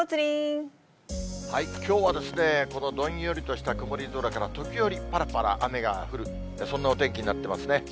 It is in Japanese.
きょうはですね、このどんよりとした曇り空から時折ぱらぱら雨が降る、そんなお天気になってますね。